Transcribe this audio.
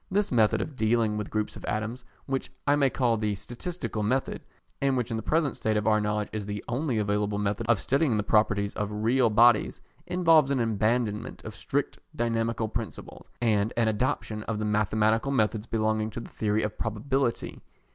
This method of dealing with groups of atoms, which I may call the statistical method, and which in the present state of our knowledge is the only available method of studying the properties of real bodies, involves an abandonment of strict dynamical principles, and an adoption of the mathematical methods belonging to the theory of probability.